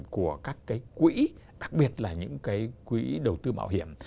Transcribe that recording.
của các quỹ đặc biệt là những quỹ đầu tư bảo hiểm